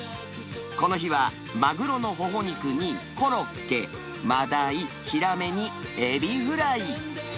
この日はマグロのホホ肉に、コロッケ、マダイ、ヒラメにエビフライ。